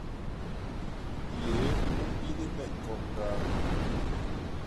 Nnyéé u mbini me nkoñ ñgaa.